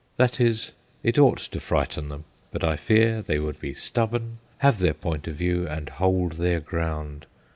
That is, it ought to frighten them ; but I fear they would be stubborn, have their point of view, and hold their ground.